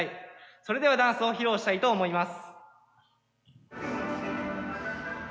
それではダンスを披露したいと思います。